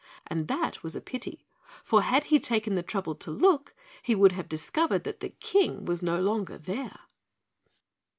And that was a pity, for had he taken the trouble to look, he would have discovered that the King was no longer there.